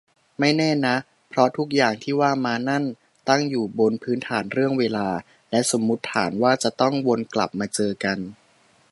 ไม่แน่นะ เพราะทุกอย่างที่ว่ามานั่น ตั้งอยู่บนพื้นฐานเรื่องเวลา และสมมติฐานว่าจะต้องวนกลับมาเจอกัน